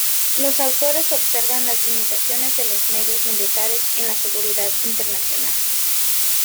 Los autores observan las limitaciones de los medios militares en la seguridad internacional.